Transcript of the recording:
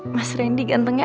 mas randy gantengnya